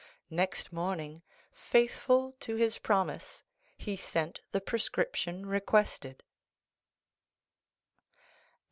Next morning, faithful to his promise, he sent the prescription requested.